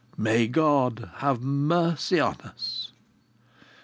May God have mercy on us.